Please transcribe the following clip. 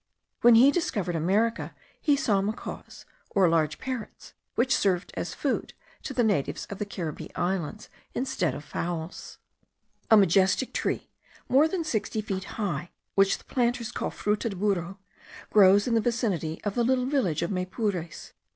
When he discovered America he saw macaws, or large parrots, which served as food to the natives of the Caribbee Islands, instead of fowls. A majestic tree, more than sixty feet high, which the planters call fruta de burro, grows in the vicinity of the little village of Maypures.